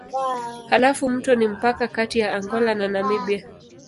Halafu mto ni mpaka kati ya Angola na Namibia.